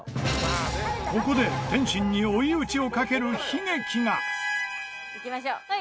ここで、天心に追い打ちをかける悲劇が玉井：「いきましょう。